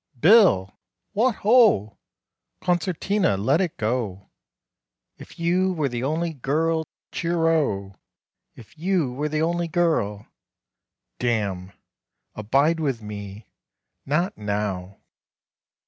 "Bill!" "Wot ho!" "Concertina: let it go 'If you were the Only Girl.'" "Cheero!" "If you were the Only Girl." Damn. 'Abide with Me....' Not now!